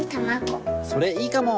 それいいかも。